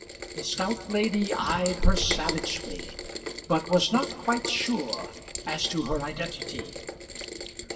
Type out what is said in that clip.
The stout lady eyed her savagely, but was not quite sure as to her identity.